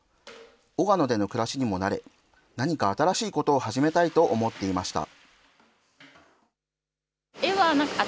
小鹿野での暮らしにも慣れ、何か新しいことを始めたいと思っていました。